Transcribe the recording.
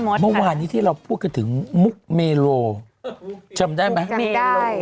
นี่เมื่อวานี้ที่เราพูดกันถึงมุกเมโลชำได้ไหมชำได้